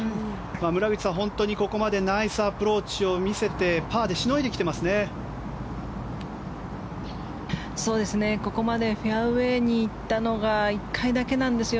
村口さん、本当にここまでナイスアプローチを見せてここまでフェアウェーにいったのが１回だけなんですよ。